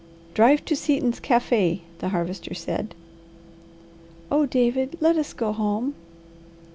"Drive to Seaton's cafe'," the Harvester said. "Oh David, let us go home!"